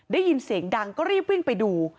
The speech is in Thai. ได้ยินเสียงดังก็รีบวิ่งไปดู